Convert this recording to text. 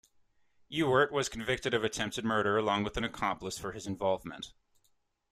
Ewert was convicted of attempted murder along with an accomplice for his involvement.